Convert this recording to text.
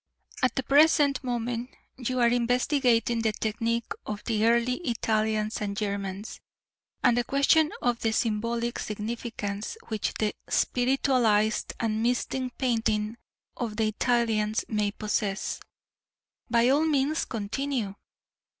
At the present moment you are investigating the technique of the early Italians and Germans, and the question of the symbolic significance which the spiritualized and mystic painting of the Italians may possess by all means continue!...